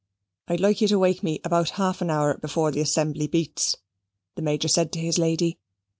"I'd like ye wake me about half an hour before the assembly beats," the Major said to his lady.